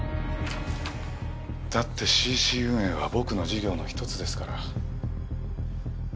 だって『ＣＣ』運営は僕の事業の１つですから。